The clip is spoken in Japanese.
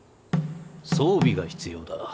装備が必要だ。